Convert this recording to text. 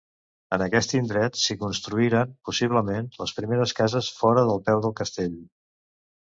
En aquest indret s'hi construïren, possiblement, les primeres cases fora del peu del castell.